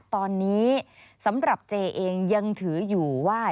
ตอนนี้สำหรับเจเองยังถืออยู่ว่า